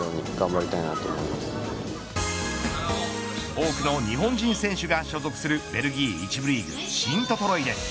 多くの日本人選手が所属するベルギー１部リーグシントトロイデン